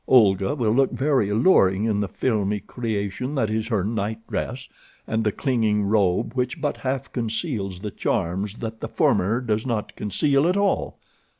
Olga will look very alluring in the filmy creation that is her night dress, and the clinging robe which but half conceals the charms that the former does not conceal at all.